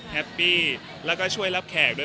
แฮปปี้แล้วก็ช่วยรับแขกด้วย